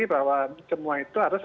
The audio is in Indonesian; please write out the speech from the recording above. bahwa semua itu harus